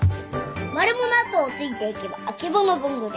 マルモの後をついていけばあけぼの文具である。